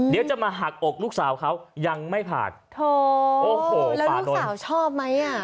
เดี๋ยวจะมาหักอกลูกสาวเขายังไม่ผ่านโถโอ้โหป่าลูกสาวชอบไหมอ่ะ